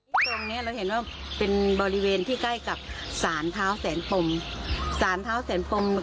ที่ตรงนี้เราเห็นว่าเป็นบริเวณที่ใกล้กับสารเท้าแสนปม